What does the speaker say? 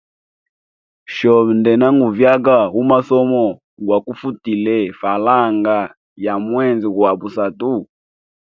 Shobe ndena nguvyaga umasomo gwa kufutile falanga ya mwezi gwa busatu.